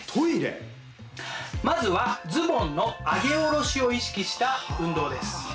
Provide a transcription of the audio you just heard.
まずはズボンの上げ下ろしを意識した運動です。